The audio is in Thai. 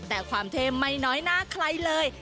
แต่ความเท่ไม่น้อยหน้าใครเลย